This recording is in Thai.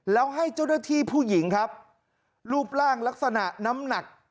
แล้วให้เจ้าหน้าที่ผู้หญิงครับรูปร่างลักษณะน้ำหนัก